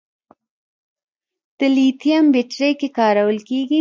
د لیتیم بیټرۍ کې کارول کېږي.